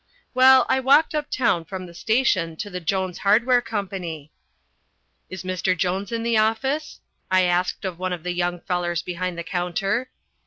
Well, I walked uptown from the station to the Jones Hardware Company. "Is Mr. Jones in the office?" I asked of one of the young fellers behind the counter.